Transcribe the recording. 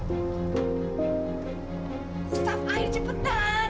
kustaf air cepetan